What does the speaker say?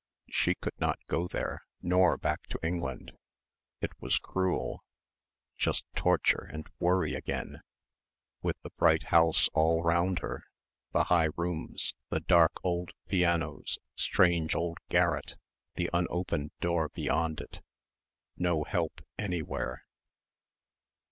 She could not go there nor back to England. It was cruel ... just torture and worry again ... with the bright house all round her the high rooms, the dark old pianos, strange old garret, the unopened door beyond it. No help anywhere.